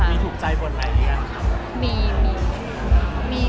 มีถูกใจบนไหนดีกันครับ